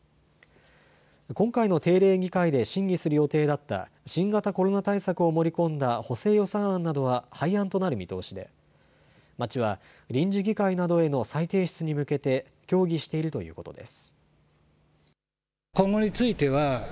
今回の定例議会で審議する予定だった新型コロナ対策を盛り込んだ補正予算案などは廃案となる見通しで町は臨時議会などへの再提出に向けて協議しているということです。